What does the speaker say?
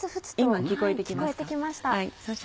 聞こえて来ました。